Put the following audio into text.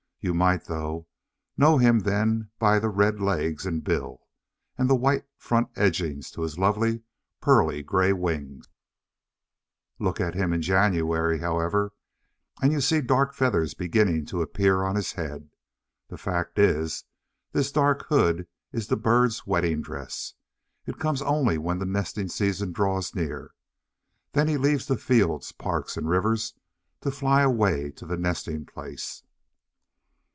You might, though, know him then by the red legs and bill, and the white front edging to his lovely pearly grey wings. Look at him in January, however, and you see dark feathers beginning to appear on his head. The fact is, this dark hood is the bird's wedding dress. It comes only when the nesting season draws near. Then he leaves the fields, parks, and rivers, to fly away to the nesting place.